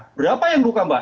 berapa yang luka mbak